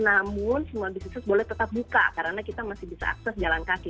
namun semua bisnis boleh tetap buka karena kita masih bisa akses jalan kaki